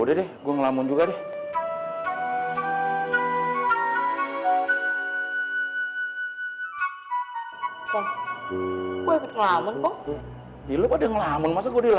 emang ada apa sih